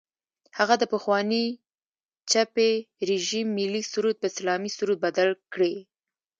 هغه د پخواني چپي رژیم ملي سرود په اسلامي سرود بدل کړي.